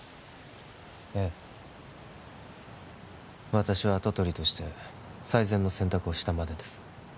ええ私は跡取りとして最善の選択をしたまでです